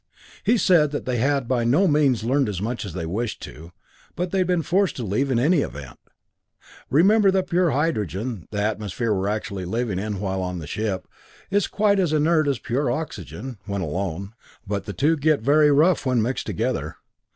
He said that they had by no means learned as much as they wished to, but they'd been forced to leave in any event. Remember that pure hydrogen, the atmosphere we were actually living in while on the ship, is quite as inert as pure oxygen when alone. But the two get very rough when mixed together.